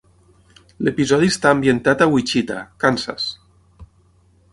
L'episodi està ambientat a Wichita, Kansas.